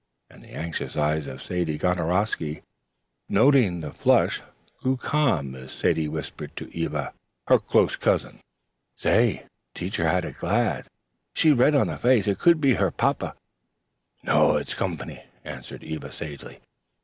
And the anxious eyes of Sadie Gonorowsky, noting the flush, grew calm as Sadie whispered to Eva, her close cousin: "Say, Teacher has a glad. She's red on the face. It could to be her papa." "No. It's comp'ny," answered Eva sagely.